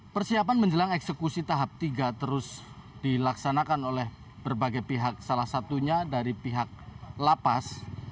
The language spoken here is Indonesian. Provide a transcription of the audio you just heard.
persiapan menjelang eksekusi tahap tiga terus dilaksanakan oleh berbagai pihak salah satunya dari pihak lapas